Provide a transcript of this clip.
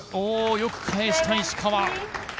よく返した、石川。